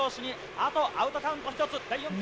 あとアウトカウント１つに。